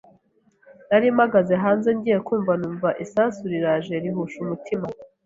nari mpagaze hanze ngiye kumva numva isasu riraje rihusha umutima